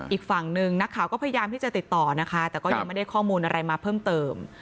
อีกฝั่งหนึ่งนักข่าวก็พยายามที่จะติดต่อนะคะแต่ก็ยังไม่ได้ข้อมูลอะไรมาเพิ่มเติม